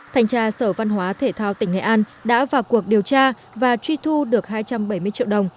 thành tra sở văn hóa thể thao tỉnh nghệ an đã vào cuộc điều tra và truy thu được hai trăm bảy mươi triệu đồng